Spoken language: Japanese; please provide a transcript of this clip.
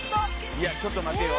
いやちょっと待てよ